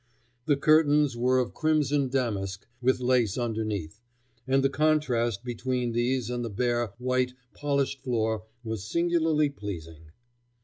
The curtains were of crimson damask with lace underneath, and the contrast between these and the bare, white, polished floor was singularly pleasing.